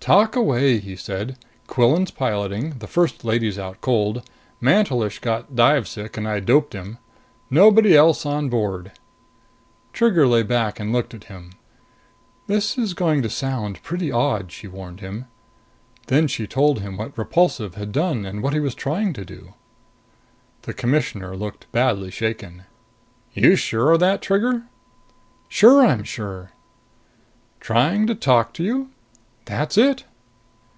"Talk away," he said. "Quillan's piloting, the First Lady's out cold, and Mantelish got dive sick and I doped him. Nobody else on board." Trigger lay back and looked at him. "This is going to sound pretty odd!" she warned him. Then she told him what Repulsive had done and what he was trying to do. The Commissioner looked badly shaken. "You sure of that, Trigger?" "Sure, I'm sure." "Trying to talk to you?" "That's it."